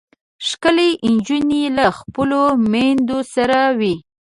ښکلې نجونې له خپلو میندو سره وي.